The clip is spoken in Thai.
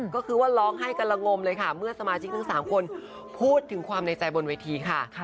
ก็คือว่าร้องไห้กันละงมเลยค่ะเมื่อสมาชิกทั้ง๓คนพูดถึงความในใจบนเวทีค่ะ